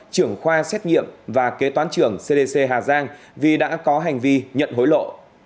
trưởng khoa xét nghiệm và kế toán trưởng cdc hà giang vì đã có hành vi nhận hối lộ